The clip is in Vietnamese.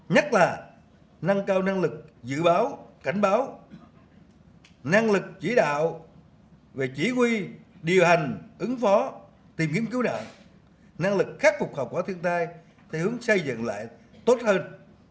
nhất là nâng cao năng lực dự báo cảnh báo năng lực chỉ đạo về chỉ huy điều hành ứng phó tìm kiếm cứu nạn năng lực khắc phục hậu quả thiên tai theo hướng xây dựng lại tốt hơn